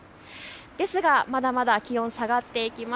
ですが、まだまだ気温下がっていきます。